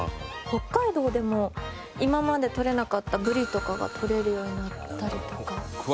北海道でも今までとれなかったブリとかがとれるようになったりとか。